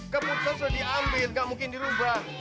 kebutuhan sudah diambil nggak mungkin dirubah